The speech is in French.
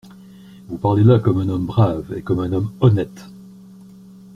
Vous parlez là comme un homme brave et comme un homme honnête.